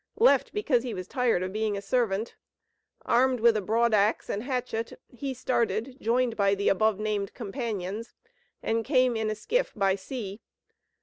Left because he was "tired of being a servant." Armed with a broad axe and hatchet, he started, joined by the above named companions, and came in a skiff, by sea.